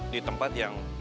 di tempat yang